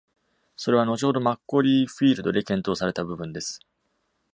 それは後ほどマッコリ―フィールドで検討された部分です。